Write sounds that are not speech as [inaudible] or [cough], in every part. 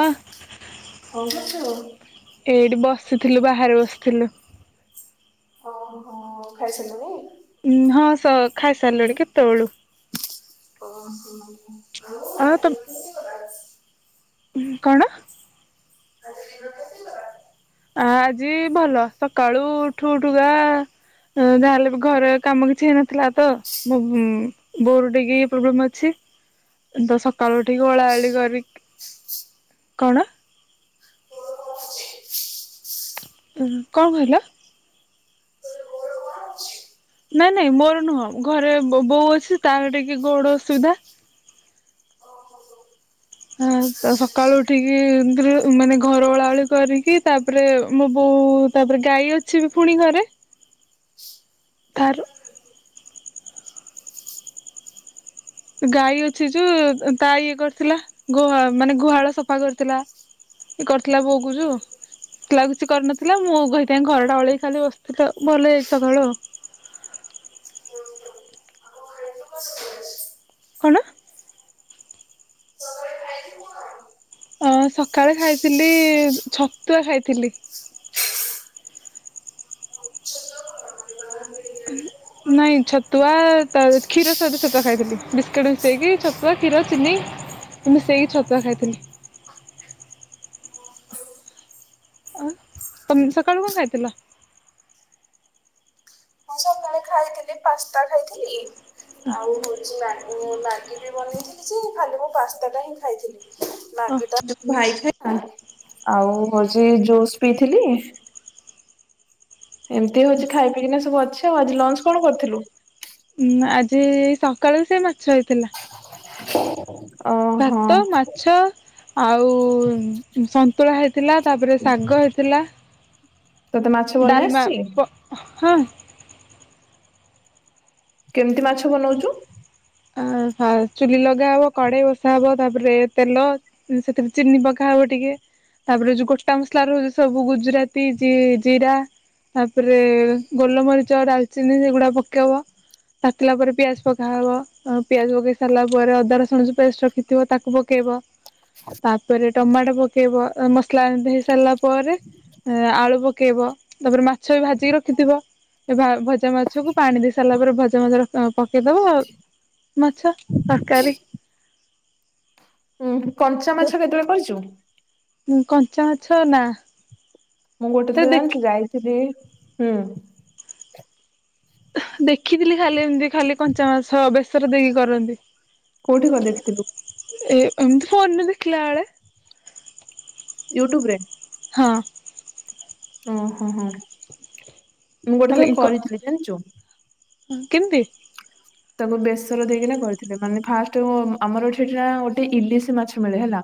ହଁ। କରୁଚୁ। ଏଇଠି ବସିଥିଲୁ ବାହାରେ ବସିଥିଲୁ। ଓହୋ ଖାଇସାରିଲୁଣୁ? ଉ ହଁ ଖାଇ ସାରିଲୁଣି କେତେବେଳୁ। ଓ ହୋ। ଆ ତ [unintelligible] କଣ? [unintelligible] ଆ ଆଜି ଭଲ। ସକାଳୁ ଉଠୁ ଉଠୁକା ଯାହାହେଲେ ଘରେ କାମ କିଛି ହେଇନଥିଲା ତ ମୋ ବୋର ଟିକେ ପ୍ରୋବ୍ଲେମ୍ ଅଛି। ଦଶତ୍ ଘର ଟିକେ ଓଳାଳି କରିକି କଣ? ଉ କଣ କହିଲ? ନାଇଁ ନାଇଁ ମୋର ନୁହଁ ଘରେ ବୋ-ବୋ-ବୋଉ ଅଛି। ତାହରେ ଟିକେ ଗୋଡ ଅସୁବିଧା। ଓ। ହ ତା ସକାଳୁ ଉଠିକି ମାନେ ଘର ଓଳାଓଳି କରିକି ତାପରେ ମୋ ବୋଉ ହଉ ତାପରେ ଗାଈ ଅଛି ବି ଫୁଣି ଘରେ। [inaudible] ତାର। ଗାଈ ଅଛି ଯୋଉ ତା ଇଏ କରିଥିଲା। ଗୋହା ମାନେ ଗୁହାଳ ସଫା କରିଥିଲା। ଏ କରିଥିଲା ବୋଉକୁଛୁ। ଲାଗୁଛି କିଛି କରିନଥିଲା। ମୁଁ କହିଥା ଘରଟା ଓଳେଇ ଖାଲି ବସିଥିଲି ଆଉ। ତ ଭଲ ହୋଇଛି ସକାଳ ଆଉ। ହୁଁ। କଣ? ସକାଳେ ଖାଇଥିଲୁ କଣ ଅ ସକାଳେ ଖାଇଥିଲି ଛତୁଆ ଖାଇଥିଲି। ଛତୁଆ କଣ ବାହାରୁ କିଣିକି ଆଣିଥିଲୁ ନା ହ। କଣ ନାଇଁ ଖାଇଛୁ? ଛତୁଆ କ୍ଷୀର ସହିତ ଛତୁଆ ଖାଇଥିଲି। ବିସ୍କୁଟ୍ ମିଶେଇକି ଛତୁଆ କ୍ଷୀର ଚିନି ମୁଁ ସେଇ ଛତୁଆ ଖାଇଥିଲି। ଓ। ଆ ତମ ସକାଳୁ କଣ ଖାଇଥିଲ? ମୁଁ ସକାଳେ ଖାଇଥିଲି ପାସ୍ତା ଖାଇଥିଲି। ଆଉ ହଉଛି ମ୍ୟାଗି ବି ବନେଇଥିଲି ଯେ ଖାଲି ମୁଁ ପାସ୍ତା ଟା ହିଁ ଖାଇଥିଲି। ଓ ଲାଗି ତା ଭାଇ ଖାଇ ଆଉ ହଉଛି ଜୁସ୍ ପିଇଥିଲି। ଏମିତି ହଉଛି ଖାଇ ପିଇକିନା ସବୁ ଅଛି ଆଉ ଆଜି ଲଞ୍ଚ କଣ କରିଥିଲୁ? ଆଜି ସକାଳୁ ସେ ମାଛ ହେଇଥିଲା। ଓହୋ ଭାତ ମାଛ। ଆଉ ସନ୍ତୁଳା ହେଇଥିଲା ତାପରେ ଶାଗ ହେଇଥିଲା। ତୋତେ ମାଛ ବନେଇ ଡାଲମା ଆସିଛି? ପ ହଁ। କେମିତି ମାଛ ବନଉଛୁ। ଆ ଚୁଲି ଲଗା ହବ କଡେଇ ବସା ହବ। ତାପରେ ତେଲ ସେଥିରେ ଚିନି ପକାହବ ଟିକେ ଟିକେ ତାପରେ ଉ ଗୋଟା ମସଲା ର ହଉଛି ସବୁ ଗୁଜୁରାତି ଜିରା ତାପରେ ଗୋଲମରିଚ ଡାଲଚିନି ସେଗୁଡା ପକେଇବ। ତା ପଲା ପରେ ପିଆଜ ପକାହବ। ପିଆଜ ପକେଇ ସାରିଲା ପରେ ଅଦା ରସୁଣ ଯ ପେଷ୍ଟ୍ ରଖିଥିବ ତାକୁ ପକେଇବ। ତାପରେ ଟମାଟୋ ପକେଇବ ମସଲା ଏ ହେଇ ସାରିଲା ପରେ ଆଳୁ ପକେଇବ। ତାପରେ ମାଛ ବି ଭାଜିକି ରଖିଥିବ। ଏ ଭଜା ମାଛକୁ ପାଣି ଦେଇ ସାରିଲା ପରେ ଭଜା ମାଛର ପକେଇଦବା ଆ ମାଛ ତରକାରୀ। ଉଁ କଞ୍ଚା ମାଛ କେତେବେଳେ କରିଛୁ? କଞ୍ଚା ମାଛ ନା। ମୁଁ ଗୋଟେ ଥର ଜାଣିଛୁ ଯାଇଥିଲି ହୁଁ। ଦେଖିଥିଲି ଖାଲି ଏମିତି ଖାଲି କଞ୍ଚା ମାଛ ବେସର ଦେଇକି କରନ୍ତି। କୋଉଠି କରି ଦେଖିଥିଲୁ? ଏ ଏମିତି ଫୋନ୍ ରେ ଦେଖିଲା ଏଳେ। ୟୁଟ୍ୟୁବ୍ ରେ। ହଁ। ଓହୋ ହୋ ମୁଁ ଗୋଟେ ଥର ହଁ କରିଥିଲି ଜାଣିଛୁ। କେମିତି? ତାକୁ ବେସର ଦେଇକିନା କରିଥିଲେ। ମାନେ ଫାଷ୍ଟ ମୋ ଆମର ଏଠି ଏଠି ନା ଗୋଟେ ଇଲିଶ ମାଛ ମିଳେ ହେଲା।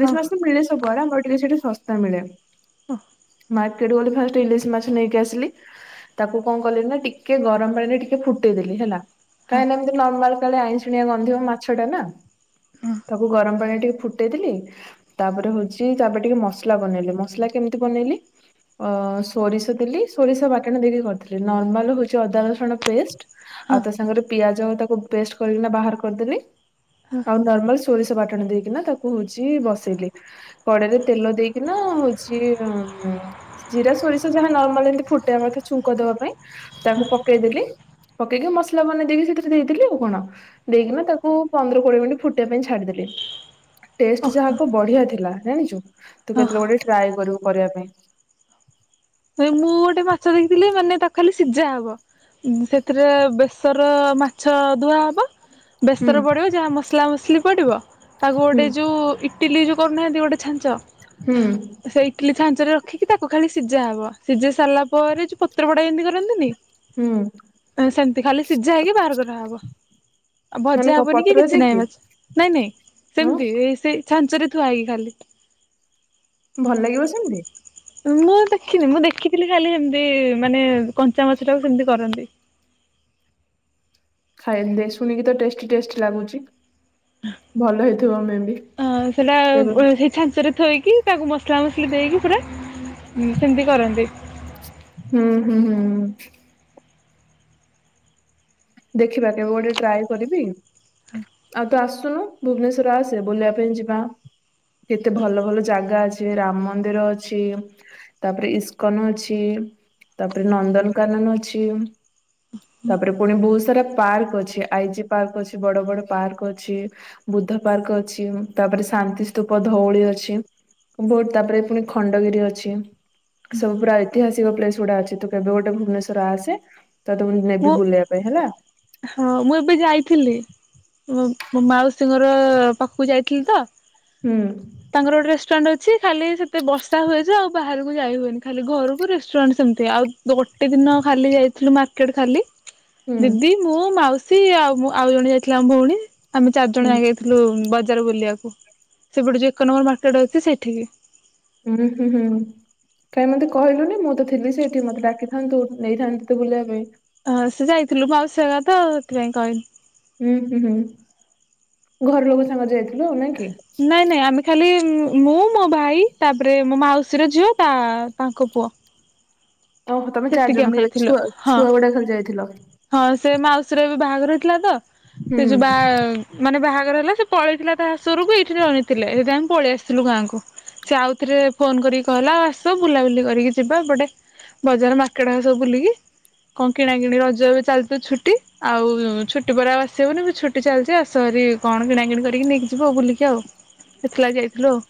ହଁ ମାଛ ତ ମିଳେ ସବୁଆଡେ। ଆମର ଟିକେ ସେଠି ଶସ୍ତା ମିଳେ। ଅହ୍ ମାର୍କେଟକୁ ଗଲି ଫାଷ୍ଟ ଇଲିଶ ମାଛ ନେଇକି ଆସିଲି। ତାକୁ କଣ କଲି ନା ଟିକେ ଗରମ ପାଣିରେ ଟିକେ ଫୁଟେଇ ଦେଲି ହେଲା। ହଁ କାହିଁକିନା ଏମିତି ନର୍ମାଲ କାଳେ ଆଇଁସିନିଆ ଗନ୍ଧିବ ମାଛ ଟା ନା ତାକୁ ଗରମ ପାଣିରେ ଟିକେ ଫୁଟେଇଦେଲି ତାପରେ ହଉଛି ତାପରେ ଟିକେ ମସଲା ବନେଇଲି। ମସଲା କେମତି ବନେଇଲି ଅ ଅ ସୋରିଷ ଦେଲି ସୋରିଷ ବାଟଣ ଦେଇକି କରିଥିଲି ନର୍ମାଲ ହଉଛି ଅଦା ରଶୁଣ ପେଷ୍ଟ ଆଉ ତା ହଁ ସାଙ୍ଗରେ ପିଆଜ ତାକୁ ପେଷ୍ଟ କରିକିନା ବାହାର କରିଦେଲି ଆଉ ନର୍ମାଲ ସୋରିଷ ବାଟଣ ଦେଇକିନା ତାକୁ ହୋଉଛି ବସେଇଲି। କଡେଇରେ ତେଲ ଦେଇକି କିନା ହଉଛି ଉ ଜିରା ସୋରିଷ ଯାହା ନର୍ମାଲ ଏମିତି ଫୁଟେଇବା କଥା ଛୁଙ୍କ ଦେବା ପାଇଁ ତାକୁ ପକେଇଦେଲି ପକେଇକି ମସଲା ବନେଇ ଦେଇକି ସେଥିରେ ଦେଇଦେଲି ଆଉ କଣ ଦେଇକିନା ତାକୁ ପନ୍ଦର କୋଡିଏ ମିନିଟ ଫୁଟିବା ପାଇଁ ଛାଡିଦେଲି। ଟେଷ୍ଟ ଯାହା କହ ବଢିଆ ଥିଲା ଜାଣିଛୁ ତୁ ହଁ କେତେବେଳେ ଗୋଟେ ଟ୍ରାଏ କରିବୁ। କରିବା ପାଇଁ ମୁଁ ଗୋଟେ ମାଛ ଦେଖିଥିଲି ମାନେ ତା ଖାଲି ସିଝା ହବ ସେଥିରେ ବେସର ମାଛ ଧୁଆହବ ହୁଁ ବେସର ପଡ଼ିବ ଯାହା ମସଲା ମୁସଲି ପଡ଼ିବ ତାକୁ ହୁଁ ଗୋଟେ ଯେଉଁ ଇ ଟିଲି ଯୋଉ କରୁନାହାନ୍ତି ଗୋଟେ ଛାଞ୍ଚ ହୁଁ। ସେ ଇଟିଲି ଛାଞ୍ଚରେ ରଖିକି ତାକୁ ଖାଲି ସିଝା ହବ। ସିଝେଇ ସାରିଲା ପରେ ଯୋଉ ପତ୍ରପୋଡ଼ା ଜେମିତି କରନ୍ତିନି? ହୁଁ ଏ ସେମିତି ଖାଲି ସିଝା ହେଇକି ବାହାର କରା ହବ। ଆଉ ମାନେ ଭଜା କଣ ହବନି କି ପତ୍ରରେ କିଛି ନାଇଁ ଦେଇକି ମାଛ ନାଇଁ ନାଇଁ ହଁ ସେମିତି ଏ ସେ ଛାଞ୍ଚରେ ଥୁଆ ହେଇକିି ଖାଲି। ଭଲ ଲାଗିବ ସେମିତି? ଉଁ ମୁ ଦେ ଦେଖିନି ମୁଁ ଦେଖିଥିଲି ଖାଲି ହେମିତି ମାନେ କଞ୍ଚା ମାଛଟାକୁ ସେମିତି କରନ୍ତି। ଖାଇନି ଶୁଣିକି ତ ଟେଷ୍ଟି ଟେଷ୍ଟି ଲାଗୁଛି। ଭଲ ହେଇଥିବ ଆମେ ବି ଅ ସେଟା କେବେ ସେଇ ଛାଞ୍ଚରେ ଥୋଇକି ତାକୁ ମସଲା ମସଲି ଦେଇକି ପୁରା ସେମିତି କରନ୍ତି। ହୁଁ ହୁଁ ହୁଁ । ଦେଖିବା କେବେ ଗୋଟେ ଟ୍ରାଏ କରିବି। ଆଉ ତୁ ଆସୁନୁ ଭୁବନେଶ୍ୱର ଆସେ ବୁଲିବା ପାଇଁ ଯିବା। କେତେ ଭଲ ଭଲ ଜାଗା ଅଛି। ରାମ ମନ୍ଦିର ଅଛି ତାପରେ ଇସ୍କନ ଅଛି। ତାପରେ ନନ୍ଦନକାନନ ଅଛି ତାପରେ ପୁଣି ବହୁସ୍ ତ୍ ସାରା ପାର୍କ ଅଛି। ଆଇ ଜି ପାର୍କ ଅଛି ବଡ ବଡ ପାର୍କ ଅଛି। ବୁଦ୍ଧ ପାର୍କ ଅଛି ତା ତାପରେ ଶାନ୍ତି ସ୍ତୁପ ଧଉଳି ଅଛି ବହୁତ ତାପରେ ପୁଣି ଖଣ୍ଡଗିରି ଅଛି। ସବୁ ପୁରା ଐତିହାସିକ ପ୍ଲେସ ଗୁଡା ଅଛି। ତୁ କେବେ ଗୋଟେ ଭୁବନେଶ୍ଵର ଆସେ ତତେ ମୁଁ ନେବି ବୁଲେଇବା ପାଇଁ ହେଲା। ହଁ ମୁଁ ଏବେ ଯାଇଥିଲି। ମ୍ ମୋ ମାଉସୀ ଘର ପାଖକୁ ଯାଇଥିଲି ତ। ହୁଁ ତାଙ୍କର ଗୋଟେ ରେଷ୍ଟୁରାଣ୍ଟ ଅଛି ଖାଲି ସେତେ ବର୍ଷା ହୁଏଯେ ଆଉ ବାହାରକୁ ଯାଇ ହୁଏନି। ଖାଲି ଘରକୁ ରେଷ୍ଟୁରାଣ୍ଟ ସେ ନ୍ତି ଆଉ ଗୋଟେ ଦିନ ଖାଲି ଯାଇଥିଲୁ ମାର୍କେଟ ଖାଲି। ହୁଁ ଦିଦି ମୁଁ ମାଉସୀ ଆଉ ମ୍ ଆଉ ଜଣେ ଯାଇଥିଲା ଆମ ଭଉଣୀ। ଆମେ ଚାରି ହୁଁ ଜଣ ଯାକ ଯାଇଥିଲୁ ବଜାର ବୁଲିବାକୁ। ସେପଟେ ଯ ଏକନମ୍ୱର ମାର୍କେଟ ଅଛି ସେଠିକି। ହଁ ହୁଁ ହୁଁ। କାଇଁ ମତେ କହିଲୁନି ମୁଁ ତ ଥିଲି ସେଇଠି ମତେ ଡାକିଥାନ୍ତୁ ନେଇଥାନ୍ତି ତତେ ବୁଲେଇବା ପାଇଁ। ହଁ ସେ ଯାଇଥିଲୁ ମାଉସି ହେରିକା ତ ସେଥିପାଇଁ କହିଲି। ହୁଁ ହୁଁ ହୁଁ ଘରଲୋକ ସାଙ୍ଗରେ ଯାଇଥି ନାଇଁ ନାଇଁ ଆମେ ଖାଲି ମୁଁ ମୋ ଭାଇ ତାପରେ ମୋ ମାଉସୀର ଝିଅ ତା ତାଙ୍କ ପୁଅ। ଓହୋ ତମେ ଚାରି ସେତିକି ଜଣ ଆମେ ଖାଲି ଯାଇଥିଲୁ ଛୁଆ ହଁ ଛୁଆ ଗୁଡା ଖାଲି ଯାଇଥିଲ ହଁ ସେ ମାଉସୀର ବି ବାହାଘର ହେଇଥିଲା ତ, ସେ ଯୋଉ ବା ହୁଁ। ମାନେ ବାହାଘର ହେଲା ପଳେଇଥିଲା ତା ଶାଶୁଘରକୁ ଏଇଠି ରହିଥିଲେ। ହେଥିପାଇଁ ଆମେ ପଳେଇ ଆସିଲୁ ଗାଁକୁ। ସେ ଆଉ ଥରେ ଫୋନ କରିକି କହିଲା ଆ ଆସ ବୁଲାବୁଲି କରିକି ଯିବା ଏପଟେ ବଜାର ମାର୍କେଟ ହେକା ସବୁ ବୁଲିକି କଣ କିଣାକିିଣି ରଜ ବି ଚାଲିଚି ଛୁଟି। ଆଉ ଛୁଟି ପରେ ଆଉ ଆସିହବନି ଛୁଟି ଚାଲିଛି ଆସଭାରି। ରେ କଣ କିଣାକିଣି କରିକି ନେଇକି ଯିବୁ ଆଉ ବୁଲିକି ଆଉ। ସେଥିଲାଗି ଯାଇଥିଲୁ ଆଉ।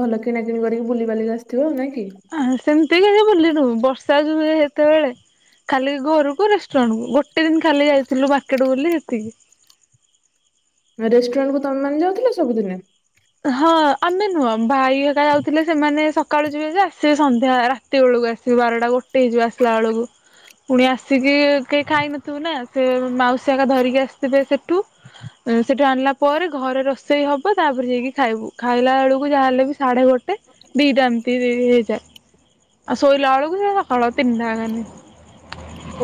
ଭଲ କିଣାକିିଣି କରିକି ବୁଲିିବାଲିକି ଆସିଥିବ ଆଉ ନାଇଁ କି? ଆଁ ସେମିତି କିଛି ବୁଲିନୁ ବର୍ଷା ଯୋଉ ହେତେବେଳେ ଖାଲି ଘରକୁ ରେଷ୍ଟୁରାଣ୍ଟକୁ ଗୋଟେ ଦିନ ଖାଲି ଯାଇଥିଲୁ ମାର୍କେଟ ବୁଲି ସେତିକି। ରେଷ୍ଟୁରାଣ୍ଟକୁ ତମେମାନେ ଯାଉଥିଲ ସବୁଦିନେ? ହଁ ଆମେ ନୁହଁ ଭାଇ ହେକା ଯାଉଥିଲେ ସେମାନେ ସକାଳୁ ଯିବେ ଯେ ଆସିବେ ସନ୍ଧ୍ୟା ରାତି ବେଳକୁ ରାତି ବାରଟା ଗୋଟେ ହେଇଯିବ ଆସିଲା ବେଳକୁ। ପୁଣି ଆସିକି କେହି ଖାଇନଥିବୁ ନା ସେ ମାଉସୀ ହେକା ଧରିକି ଆସିଥିବେ ସେଠୁ। ସେଠୁ ଆଣିଲା ପରେ ଘରେ ରୋଷେଇ ହବ ତାପରେ ଯାଇକି ଖାଇବୁ। ଖାଇଲା ବେଳକୁ ଯାହାହେଲେ ବି ସାଢେ ଗୋଟେ ଦିଟା ଏମିତି ହେଇ ଆ ଶୋଇଲା ବେଳଳୁ ସେ ସକାଳ ତିନଟା ହେଲାଣି।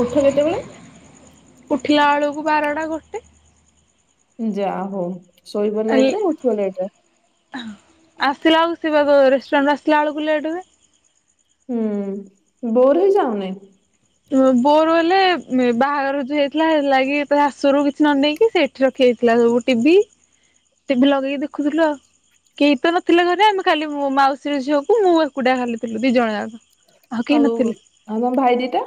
ଉଠ କେତେବେଳେ? ଉଠିଲା ବେଳକୁ ବାରଟା ଗୋଟେ। ଯା ହଉ ଶୋଇବ ହେଲେ ଲେଟରେ ଉଠିବ ଲେଟରେ। ଆସିଲା ବେଳକୁ [unintelligible] ରେଷ୍ଟୁରାଣ୍ଟରେ ଆସିଲା ବେଳକୁ ଲେଟ୍ ହୁଏ। ହୁଁ, ବୋର ହେଇ ଯାଓନି। ବୋର ହେଲେ ବାହାଘର ଯୋଉ ହେଇଥିଲା ହେଥିଲାଗି ଶାଶୁ ଘର କୁ କିଛି ନ ନେଇକି ସେଇଠି ରଖିଦେ ଥିଲା ସବୁ ଟିଭି, ଟିଭି ଲଗେଇକି ଦେଖୁଥିଲୁ ଆଉ। କେହି ତ ନଥିଲେ ଘରେ ଆମେ ଖାଲି ମୋ ମାଉସୀ ଝିଅକୁ ମୁଁ ଏକୁଟିଆ ଖାଲି ଥିଲୁ। ଦି ଜଣ ଯାକ। କେହି ଆଉ ନଥିଲେ। ଆମ ଭାଇ ଦିଟା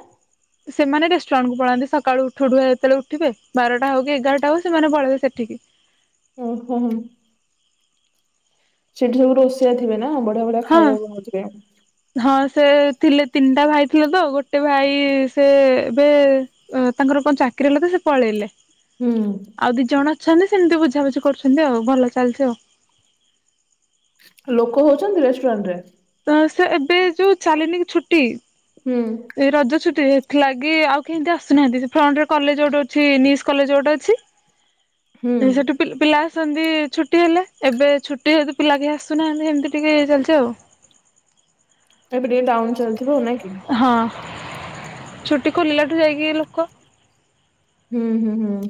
ସେମାନେ ରେଷ୍ଟୁରାଣ୍ଟ କୁ ପଳାନ୍ତି ସକାଳୁ ଉଠୁଉଠୁକା ଯେତେବେଳେ ଉଠିବେ ବାରଟା ହଉ କି ଏଗାରଟା ହଉ ସେମାନେ ପଳେଇବେ ସେଠିକି। [inaudible] ଓହୋ ହୋ। ସେଠି ସବୁ ରୋଷେଇଆ ଥିବେ। ନା ବଢିଆ ବଢିଆ ହଁ, ଖାଇବା ବନଉଥିବେ। ହଁ ସେ ଥିଲେ ତିନିଟା ଭାଇ ଥିଲେ ତ ଗୋଟେ ଭାଇ ସେ ଏବେ ତାଙ୍କର କଣ ଚାକିରି ହେଲେ ତ ସେ ପଳେଇଲେ। ହୁଁ। ଆଉ ଦି ଜଣ ଅଛନ୍ତି ସେମିତି ବୁଝାବୁଝି କରୁଛନ୍ତି ଆଉ। ଭଲ ଚାଲିଛି ଆଉ। ଲୋକ ହଉଛନ୍ତି ରେଷ୍ଟୁରାଣ୍ଟ ରେ? ତ ସେ ଏବେ ଯୋଉ ଚାଲିନି କି ଛୁଟି ହୁଁ ଏ ରଜ ଛୁଟି ହେଥିଲାଗି ଆଉ କେହି ହେମିତି ଆସୁନାହାନ୍ତି। ସେ ଫ୍ରଣ୍ଟ ରେ କଲେଜ ଗୋଟେ ଅଛି ନିସ୍ କଲେଜ ଗୋଟେ ଅଛି। ହୁଁ ସେଠୁ ପି ପିଲା ଆସନ୍ତି ଛୁଟି ହେଲେ ।ଏବେ ଛୁଟି ହେତୁ ପିଲା କେହି ଆସୁନାହାନ୍ତି ।ହେମିତି ଟିକେ ଇଏ ଚାଲିଛି ଆଉ। ଏବେ ଟିକେ ଡାଉନ ଚାଲଥିବ ନାଇଁକିି। ହଁ ଛୁଟି ଖୋଲିଲାଠୁ ଯାଇକି ଲୋକ। ହୁଁ ହୁଁ ହୁଁ,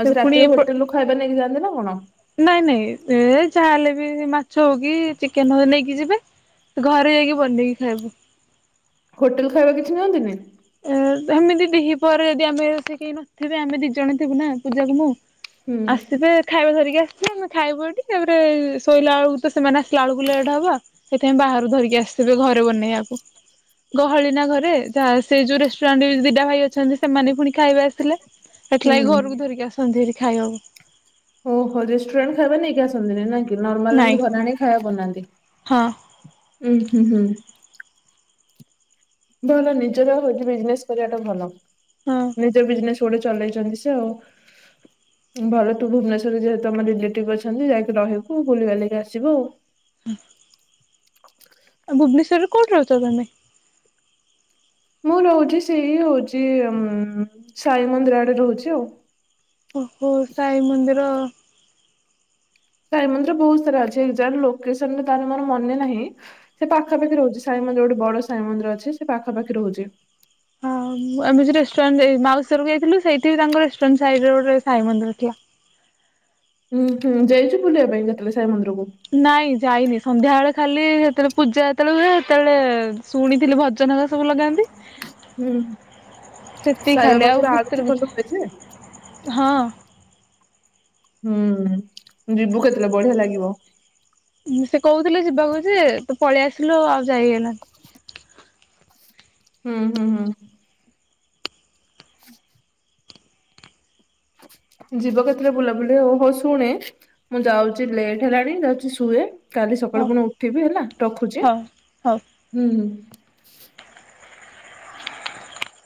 ଆଉ ସେ ରାତିରେ ପୁଣି ହୋଟେଲ ରୁ ଖାଇବା ନେଇକି ଯାଆନ୍ତି ନା କଣ? ନାଇଁ ନାଇଁ, ଏ ଯାହାହଲେ ବି ମାଛ ହଉ କି ଚିକେନ ହଉ ନେଇକି ଯିବେ। ଘରେ ଯାଇକି ବନେଇକି ଖାଇବୁ। ହୋଟେଲ ଖାଇବା କିଛି ନିଅନ୍ତିନି? ସେମିତି ଦିହିପହରେ ଯଦି ଆମେ କେହି ନଥିବେ, ଆମେ ଦି ଜଣ ଥିବୁ ନା ପୂଜାକୁ ମୁଁ ହୁଁ। ଆସିବେ ଖାଇବା ଧରିକି। ନା ଆମେ ଖାଇବ ଏଠି, ତାପରେ ଶୋଇଲା ବେଳକୁ ତ ସେମାନେ ଆସିଲା ବେଳକୁ ଲେଟ ହବ ସେଇଥିପାଇଁ ବାହାରୁ ଧରିକି ଆସୁ। ଆସିବେ ଘରେ ବନେଇବାକୁ ଗହଳି ନା ଘରେ ଯାହା ସେଇ ଯୋଉଁ ରେଷ୍ଟୁରାଣ୍ଟ ବିଦା ଭାଇ ଅଛନ୍ତି। ସେମାନେ ପୁଣି ଖାଇବା ଆସିଲେ ଏଥିଲାଗି ହୁଁ। ଘରକୁ ଧରିକି ଆସନ୍ତି ହାରି। ଖାଇବାକୁ। ଓହୋ ରେଷ୍ଟୁରାଣ୍ଟ ଖାଇବା ନେଇକି ଆସନ୍ତି ନାଇଁ? ନର୍ମାଲ ନାଇଁ ଏମିତି ଘରାଣି ଖାଇବା ବନାନ୍ତି ହଁ ।ଉଁ ହୁଁ ହ ଭଲ ନିଜର ହଉଛି। ବିଜନେସ କରିବାଟା ଭଲ ହଁ ନିଜ ବିଜନେସ ଗୋଟେ ଚଲେଇଛନ୍ତି ସେ ଆଉ। ଭଲ ତୁ ଭୁବନେଶ୍ୱରରେ ଯେହତ ତମ ରିଲେଟିଭ ଅଛନ୍ତି ଯାଇକି ରହିବୁ ବୁଲିବା ଲାଗି ଆସିବୁ ଆଉ। ହୁଁ। [unintelligible] ଭୁବନେଶ୍ଵରରେ କୋଉଁଠି ରହୁଛ ତମେ? ମୁଁ ରହୁଛି ସେଇ ହଉଛି ସାଇ ମନ୍ଦିର ଆଡେ ରହୁଛି ଆଉ। ଓହୋ ସାଇ ମନ୍ଦିର। ସାଇ ମନ୍ଦିର ବହୁତ ସାରା ଅଛି ଏଜାକ୍ଟ ଲୋକେସନ ତାହେଲେ ମୋର ମନେ ନାହିଁ ସେ ପାଖାପାଖି ରହୁଛି। ର ଗୋଟେ ବଡ ସାଇ ମନ୍ଦି ଅଛି ସେ ପାଖାପାଖି ରହୁଛି ହଁ, ଆମେ ଯ ରେଷ୍ଟୁରାଣ୍ଟ ମାଉଶି ଘରକୁ ଯାଇଥିଲୁ। ସେଇଠ ତାଙ୍କର ରେଷ୍ଟୁରାଣ୍ଟ ସାଇଡ ଗୋଟେ ସାଇ ମନ୍ଦିର ଥିଲା। ହୁଁ ହୁଁ ଯାଇଛୁ ବୁଲିବା ପାଇଁ ଯେତେବେଳେ ସାଇ ମନ୍ଦିର? ନାଇଁ। ଯାଇନି ସନ୍ଧ୍ୟା ବେଳେ ଖାଲି ସେତେବେଳେ ପୂଜା ଯେତେବେଳେ ହୁଏ ସେତେବେଳେ ଶୁଣିଥିଲି ଭଜନ ଲଗାନ୍ତି। ହୁଁ ସେତିକି ଖାଲେ ଆଉ ସାଇବାବାଙ୍କର ଆଳତି ଭିତରୁକୁ ଭଲ ହୁଏ ଯେ ଭିତ ହଁ ହୁଁ ଯିବୁ କେତେଲେ ବଢିଆ ଲାଗିବ। ସେ କହୁଥିଲେ ଯିବାକୁ ଯେ ତୁ ପଳେଇ ଆସିଲୁ ଆଉ ଯାଇହେଲାନି। ହୁଁ ହୁଁ ହୁଁ। ଯିବ କେତେରେ ବୁଲାବୁଲି ଓହୋ ଶୁଣେ ମୁଁ ଯାଉଛି ଲେଟ୍ ହେଲାଣି ଯାଉଛି ଶୁଏ କାଲି ସକାଳୁ ହଉ ପୁଣି ଉଠିବି ହେଲା ରଖୁଛି ହଉ ହଉ। ହୁଁ ହୁଁ।